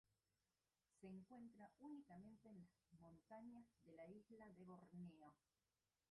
Se encuentra únicamente en las montañas de la isla de Borneo.